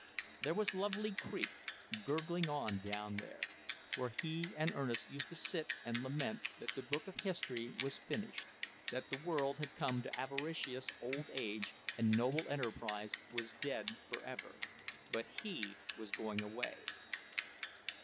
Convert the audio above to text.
There was Lovely Creek, gurgling on down there, where he and Ernest used to sit and lament that the book of History was finished; that the world had come to avaricious old age and noble enterprise was dead for ever. But he was going away....